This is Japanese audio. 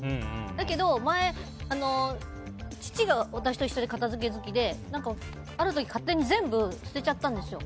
だけど、前に父が私と一緒で片付け好きである時、勝手に全部捨てちゃったんですよ。